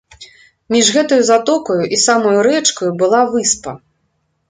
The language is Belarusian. Між гэтаю затокаю і самаю рэчкаю была выспа.